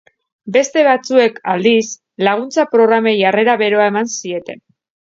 Beste batzuek, aldiz, laguntza programei harrera beroa eman zieten.